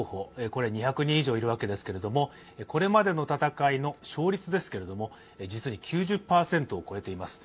これは２００人以上いるわけですがこれまでの戦いの勝率ですけれども実に９０％を超えています。